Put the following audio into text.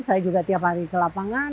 saya juga tiap hari ke lapangan